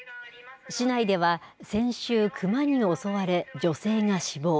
市内では先週、クマに襲われ女性が死亡。